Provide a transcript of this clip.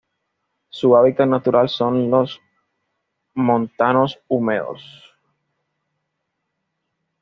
Su hábitat natural son los montanos húmedos.